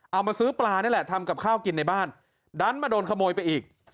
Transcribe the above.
เอามาซื้อปลานี่แหละทำกับข้าวกินในบ้านดันมาโดนขโมยไปอีก